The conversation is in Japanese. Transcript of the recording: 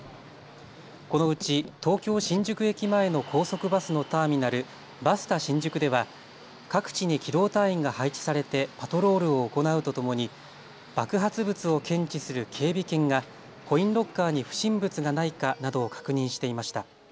このうち東京新宿駅前の高速バスのターミナル、バスタ新宿では各地に機動隊員が配置されてパトロールを行うとともに爆発物を検知する警備犬がコインロッカーに不審物がないかなどを確認していました。